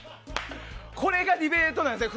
これがディベートなんですね。